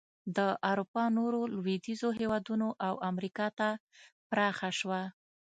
د اروپا نورو لوېدیځو هېوادونو او امریکا ته پراخه شوه.